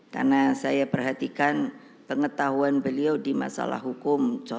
karena saya perhatikan pengetahuan beliau di masalah hukum cocok